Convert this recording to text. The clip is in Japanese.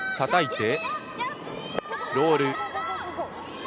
たたいて、ロール。